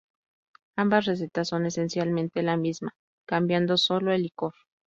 Ambas recetas son esencialmente la misma, cambiando solo el licor.